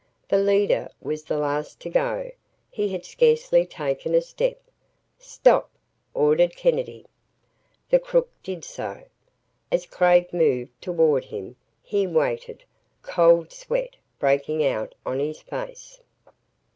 The leader was the last to go. He had scarcely taken a step. "Stop!" ordered Kennedy. The crook did so. As Craig moved toward him, he waited, cold sweat breaking out on his face.